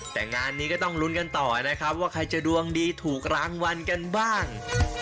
แต่งานนี้ก็ต้องลุ้นกันต่อนะครับว่าใครจะดวงดีถูกรางวัลกันบ้าง